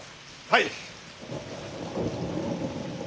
はい！